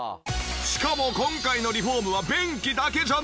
しかも今回のリフォームは便器だけじゃない！